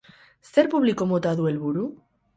Zer publiko mota du helburu?